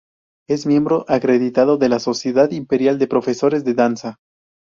Es miembro acreditado de la sociedad Imperial de profesores de danza.